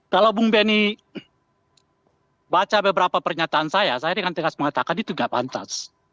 kalau bung benny baca beberapa pernyataan saya saya dengan tegas mengatakan itu tidak pantas